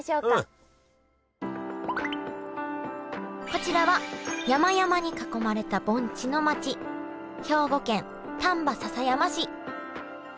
こちらは山々に囲まれた盆地の町兵庫県丹波篠山市。